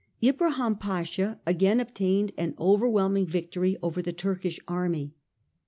Ibrahim Pasha again obtained an overwhelming victory over the Turkish army.